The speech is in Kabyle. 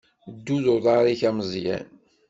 Ddu d uḍaṛ-ik a Meẓyan.